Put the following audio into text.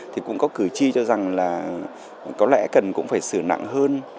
thì cũng có cử tri cho rằng là có lẽ cần cũng phải xử nặng hơn